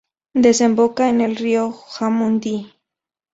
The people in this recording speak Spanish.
Desemboca en el río Jamundí.